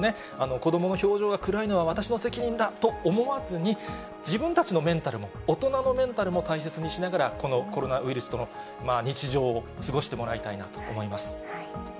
子どもの表情が暗いのは私の責任だと思わずに、自分たちのメンタルも、大人のメンタルも大切にしながら、このコロナウイルスとの日常を過ごしてもらいたいなと思います。